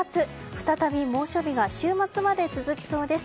再び猛暑日が週末まで続きそうです。